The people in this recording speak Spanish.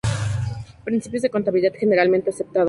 Principios de Contabilidad Generalmente Aceptados